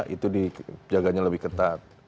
itu dijaganya lebih ketat